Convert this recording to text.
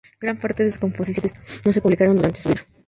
Gran parte de sus composiciones no se publicaron durante su vida.